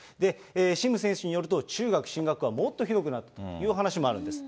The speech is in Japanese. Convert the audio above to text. シム選手によると、中学進学後はもっとひどくなったという話もあるんです。